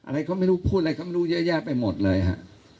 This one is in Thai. อะไรก็ไม่รู้พูดอะไรเขาไม่รู้เยอะแยะไปหมดเลยฮะ